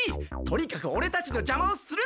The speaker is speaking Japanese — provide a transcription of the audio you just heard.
とにかくオレたちのじゃまをするな！